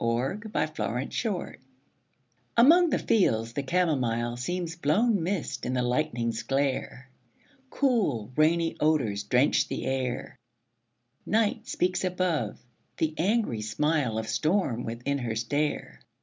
THE WINDOW ON THE HILL Among the fields the camomile Seems blown mist in the lightning's glare: Cool, rainy odors drench the air; Night speaks above; the angry smile Of storm within her stare.